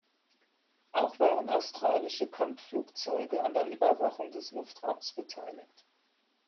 Auch waren australische Kampfflugzeuge an der Überwachung des Luftraums beteiligt.